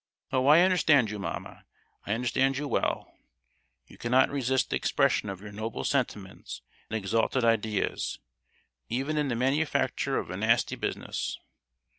Oh, I understand you, mamma—I understand you well! You cannot resist the expression of your noble sentiments and exalted ideas, even in the manufacture of a nasty business.